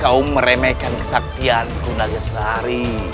kau meremehkan kesaktianku nagasari